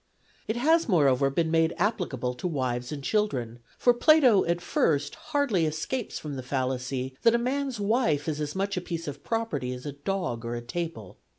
It has, moreover, been made applicable to wives and children, for Plato at first hardly escapes from the fallacy that a man's wife is as much a piece of property as a dog or a table.